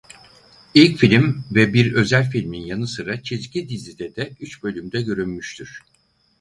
İlk film ve bir özel filmin yanı sıra çizgi dizide de üç bölümde görünmüştür.